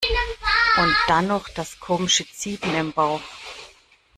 Und dann noch das komische ziepen im Bauch.